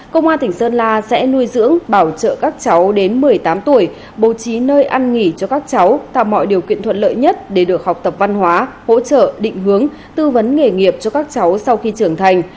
công an tỉnh sơn la sẽ nuôi dưỡng bảo trợ các cháu đến một mươi tám tuổi bố trí nơi ăn nghỉ cho các cháu tạo mọi điều kiện thuận lợi nhất để được học tập văn hóa hỗ trợ định hướng tư vấn nghề nghiệp cho các cháu sau khi trưởng thành